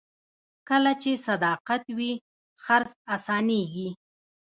کله چې صداقت وي، خرڅ اسانېږي.